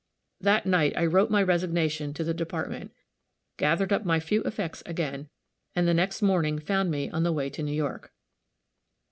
That night I wrote my resignation to the Department, gathered up my few effects again, and the next morning found me on the way to New York.